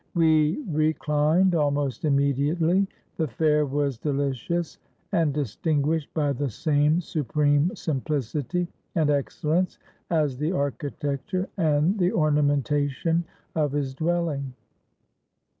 We reclined almost immediately. The fare was deli 411 ROME cious, and distinguished by the same supreme sim plicity and excellence as the architecture and the orna mentation of his dwelling.